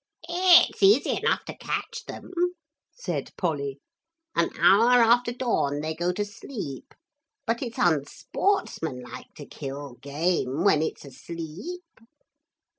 'It's easy enough to catch them,' said Polly; 'an hour after dawn they go to sleep, but it's unsportsmanlike to kill game when it's asleep.'